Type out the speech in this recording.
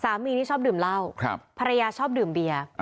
นี่ชอบดื่มเหล้าภรรยาชอบดื่มเบียร์